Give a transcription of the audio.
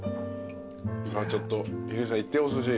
さあちょっと樋口さんいっておすし。